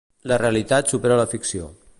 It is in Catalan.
La realitat supera la ficció.